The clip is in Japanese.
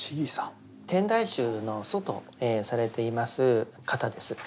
天台宗の祖とされています方です。